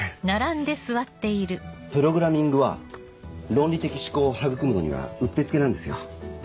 プログラミングは論理的思考を育むのにはうってつけなんですよ。